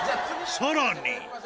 さらに。